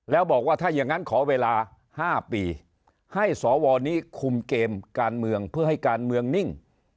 แล้วบอกว่าถ้าอย่างนั้นขอเวลา๕ปีให้สวนี้คุมเกมการเมืองเพื่อให้การเมืองนิ่ง